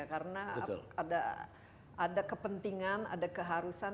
karena ada kepentingan ada keharusan